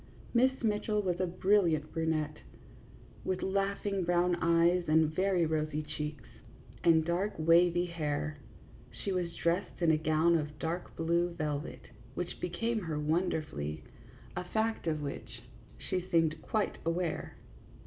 Miss Mitchell was a brilliant brunette, with 70 THE JUDGMENT OF PARIS REVERSED. laughing brown eyes and very rosy cheeks and dark wavy hair ; she was dressed in a gown of dark blue velvet which became her wonderfully, a fact of which she seemed quite aware.